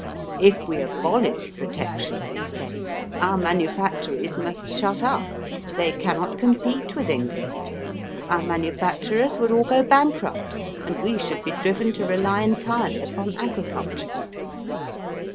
*' If we abolish protection," they say, '^ our manufactories must shut up. They cannot compete with England. Our manufacturers would all go bankrupt, and we should be driven to rely entirely upon agriculture.